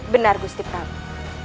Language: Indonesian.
benar gusti prabu